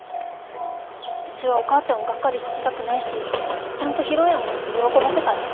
うちはお母ちゃんをがっかりさせたくないしちゃんと披露宴をやって喜ばせたい。